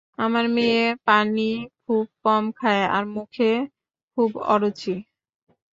আমার মেয়ে পানি খুব কম খায় আর মুখে খুব অরুচি।